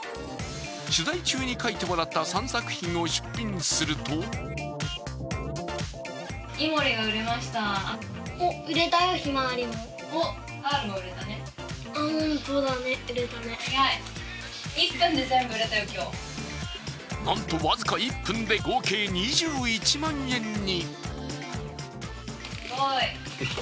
取材中に描いてもらった３作品を出品するとなんと僅か１分で、合計２１万円に。